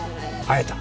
会えた？